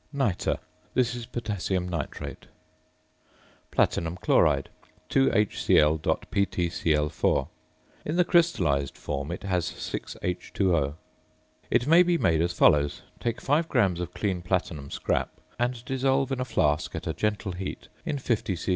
~Nitre.~ This is potassium nitrate. ~Platinum Chloride~, 2HCl.PtCl_. (In the crystallised form it has 6H_O). It may be made as follows: Take 5 grams of clean platinum scrap and dissolve in a flask at a gentle heat in 50 c.c.